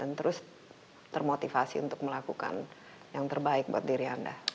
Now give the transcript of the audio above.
dan terus termotivasi untuk melakukan yang terbaik buat diri anda